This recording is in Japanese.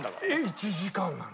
１時間なの。